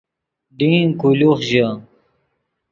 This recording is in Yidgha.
ڈین کولوخ ژے